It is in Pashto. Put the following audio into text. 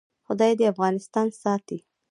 خدای دې افغانستان ساتي؟